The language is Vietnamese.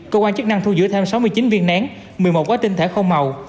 cơ quan chức năng thu giữ thêm sáu mươi chín viên nén một mươi một gói tinh thể không màu